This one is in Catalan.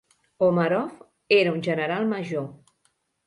Omarov era un general major.